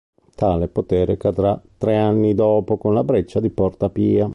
Tale potere cadrà tre anni dopo con la breccia di porta Pia.